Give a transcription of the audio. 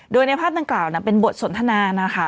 โดยในภาพดังกล่าวเป็นบทสนทนานะคะ